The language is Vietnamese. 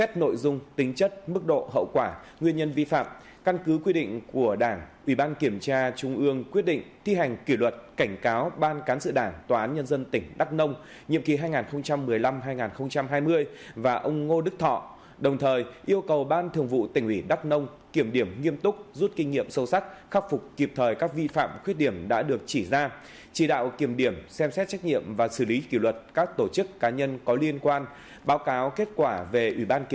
trách nhiệm đối với những vi phạm khuyết điểm nêu trên thuộc về ban cán sự đảng tòa án nhân dân tỉnh đắk nông nhiệm kỳ hai nghìn một mươi năm hai nghìn hai mươi và ông ngô đức thọ tỉnh ủy viên bí thư ban cán sự đảng tranh án tòa án nhân dân tỉnh